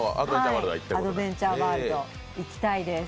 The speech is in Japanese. アドベンチャーワールド、行きたいです。